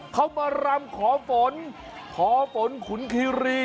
เขามารำขอฝนขอฝนขุนคีรี